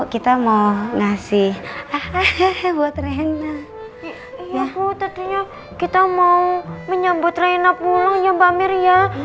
kita mau ngasih ah ah ah buat reina ya tentunya kita mau menyambut reina pulangnya mbak mir ya